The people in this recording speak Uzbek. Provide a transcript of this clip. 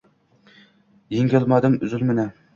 Yengolmadim zulmni».